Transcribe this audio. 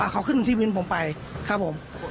เขาขึ้นที่วินผมไปครับผม